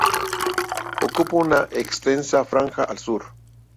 Ocupa una extensa franja al sur.